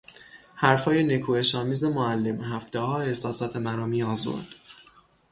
حرفهای نکوهشآمیز معلم هفتهها احساسات مرا میآزرد.